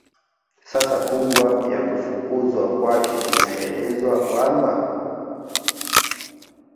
Sababu kubwa ya kufukuzwa kwake inaelezwa kwamba